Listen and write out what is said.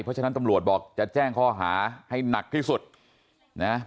เพราะฉะนั้นตำรวจบอกจะแจ้งข้อหาให้หนักที่สุดนะ